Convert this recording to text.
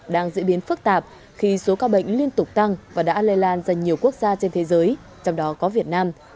đang diễn biến phức tạp khi số ca bệnh liên tục tăng và đã lây lan ra nhiều quốc gia trên thế giới trong đó có việt nam